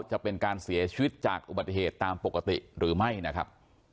จะเป็นการเสียชีวิตจากอุบัติเหตุตามปกติหรือไม่นะครับ